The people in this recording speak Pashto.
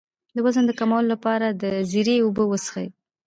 د وزن د کمولو لپاره د زیرې اوبه وڅښئ